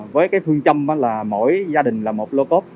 với cái phương châm là mỗi gia đình là một lô cốt